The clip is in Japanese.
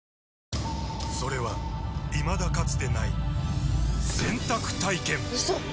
それはいまだかつてない洗濯体験‼うそっ！